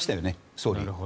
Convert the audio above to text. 総理。